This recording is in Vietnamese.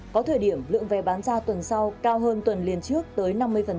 có thời điểm lượng vé bán ra tuần sau cao hơn tuần liền trước tới năm mươi